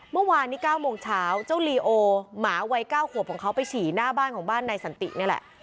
เมื่อวานนี้๙โมงเช้าเจ้าลีโอหมาวัย๙ขวบของเขาไปฉี่หน้าบ้านของบ้านนายสันตินี่แหละ